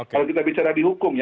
kalau kita bicara di hukum ya